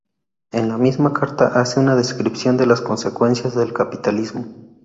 En la misma carta hace una descripción de las consecuencias del capitalismo.